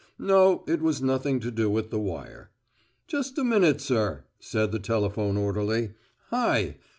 No, it was nothing to do with the wire. "Just a minute, sir," said the telephone orderly. "Hi!